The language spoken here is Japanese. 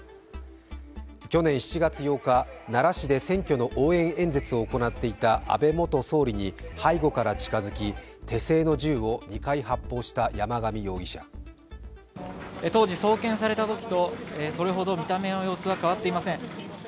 去年７月８日、奈良市で選挙の応援演説を行っていた安倍元総理に背後から近づき手製の銃を２回発砲した山上容疑者当時送検されたときとそれほど見た目の様子は変わっていません。